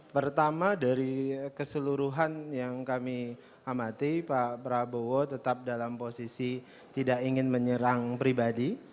pertama dari keseluruhan yang kami amati pak prabowo tetap dalam posisi tidak ingin menyerang pribadi